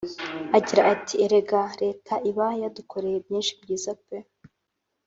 Agira ati “Erega Leta iba yadukoreye byinshi byiza pe